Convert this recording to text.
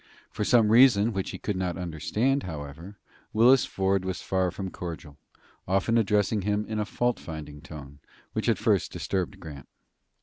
For some reason which he could not understand, however, Willis Ford was far from cordial, often addressing him in a fault finding tone, which at first disturbed Grant.